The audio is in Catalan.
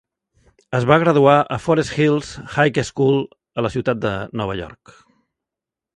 Es va graduar a Forest Hills High School, a la ciutat de Nova York.